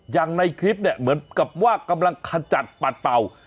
อย่างในคลิปเนี่ยเหมือนกับว่ากำลังขจัดปัดเป่า